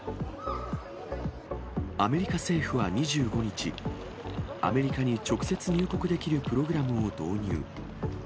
アメリカ政府は２５日、アメリカに直接入国できるプログラムを導入。